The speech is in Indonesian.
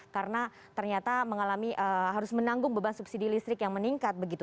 karena ternyata mengalami harus menanggung beban subsidi listrik yang meningkat begitu